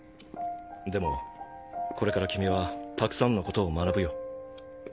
でもこれから君はたくさんのことを学ぶよ。